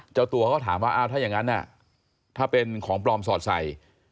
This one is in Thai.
เจ้าตัวก็ถามว่าอ้าวถ้าอย่างนั้นถ้าเป็นของปลอมสอดใส่